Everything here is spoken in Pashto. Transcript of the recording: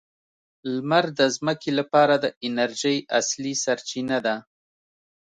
لمر د ځمکې لپاره د انرژۍ اصلي سرچینه ده.